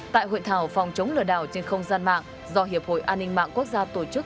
tại hội thảo phòng chống lừa đảo trên không gian mạng do hiệp hội an ninh mạng quốc gia tổ chức